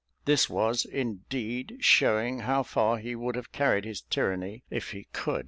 This was, indeed, shewing how far he would have carried his tyranny if he could.